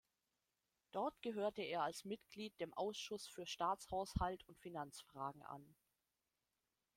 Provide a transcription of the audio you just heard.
Dort gehörte er als Mitglied dem Ausschuss für Staatshaushalt und Finanzfragen an.